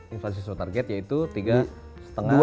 inflasi yang sesuai target yaitu tiga lima